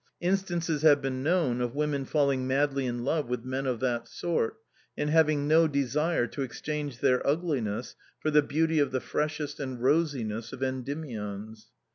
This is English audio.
Instances have been known of women falling madly in love with men of that sort, and having no desire to exchange their ugliness for the beauty of the freshest and rosiest of Endymions.